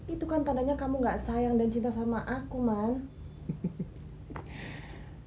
itu kan tandanya kamu gak sayang dan cinta sama aku man